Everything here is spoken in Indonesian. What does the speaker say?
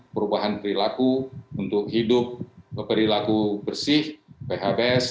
perubahan perilaku untuk hidup perilaku bersih phbs